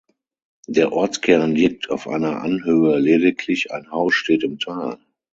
Der Ortskern liegt auf einer Anhöhe, lediglich ein Haus steht im Tal.